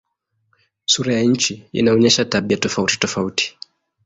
Sura ya nchi inaonyesha tabia tofautitofauti.